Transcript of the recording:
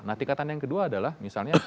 nah tingkatan yang kedua adalah misalnya